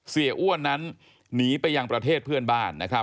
อ้วนนั้นหนีไปยังประเทศเพื่อนบ้านนะครับ